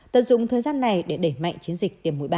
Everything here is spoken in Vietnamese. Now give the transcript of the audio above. tận dụng thời gian này để đẩy mạnh chiến dịch tiêm mũi ba